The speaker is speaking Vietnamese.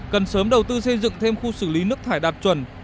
cần sớm đầu tư xây dựng thêm khu xử lý nước thải đạt chuẩn